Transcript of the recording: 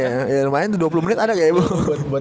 ya lumayan tuh dua puluh menit ada ya bu